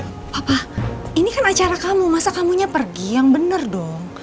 papa ini kan acara kamu masa kamu nya pergi yang bener dong